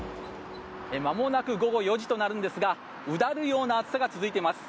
まもなく午後４時となるんですがうだるような暑さが続いています。